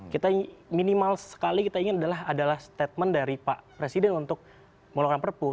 kita minimal sekali kita ingin adalah statement dari pak presiden untuk melakukan perpu